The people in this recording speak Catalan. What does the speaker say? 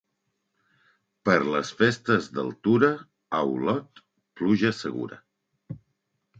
Per les Festes del Tura, a Olot, pluja segura.